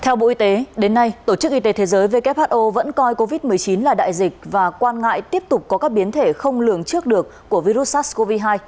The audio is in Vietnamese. theo bộ y tế đến nay tổ chức y tế thế giới who vẫn coi covid một mươi chín là đại dịch và quan ngại tiếp tục có các biến thể không lường trước được của virus sars cov hai